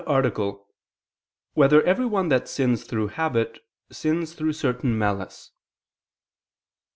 78, Art. 2] Whether Everyone That Sins Through Habit, Sins Through Certain Malice?